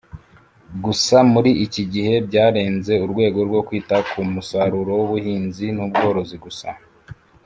Gusa muri iki gihe byarenze urwego rwo kwita ku musaruro w’ubuhinzi n’ubworozi gusa